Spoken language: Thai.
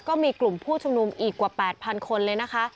ก็มีกลุ่มผู้ชุมนุมอีกกว่า๘๐๐คนเลยนะคะ